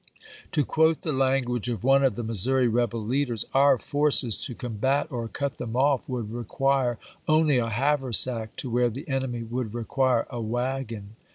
To quote the language of one of the Missouri rebel leaders :" Our forces, to combat to^Bol S, or cut them off, would require only a haversack to i86i"^w*r. where the enemy would require a wagon."